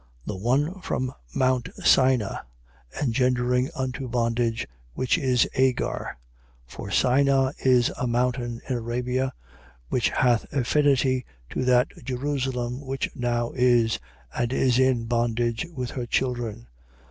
The one from Mount Sina, engendering unto bondage, which is Agar. 4:25. For Sina is a mountain in Arabia, which hath affinity to that Jerusalem which now is: and is in bondage with her children.